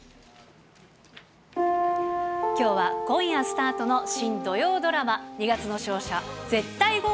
きょうは今夜スタートの新土曜ドラマ、二月の勝者ー